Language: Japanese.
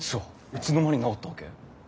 いつの間に治ったわけ？